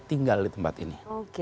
tinggal di tempat ini